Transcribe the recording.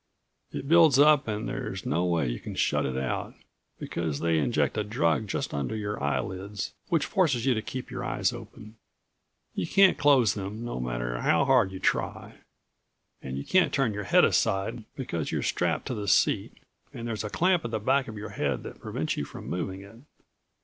It builds up and there's no way you can shut it out, because they inject a drug just under your eyelids which forces you to keep your eyes open. You can't close them no matter how hard you try. And you can't turn your head aside, because you're strapped to the seat and there's a clamp at the back of your head that prevents you from moving it.